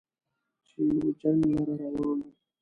چې و جنګ لره روان و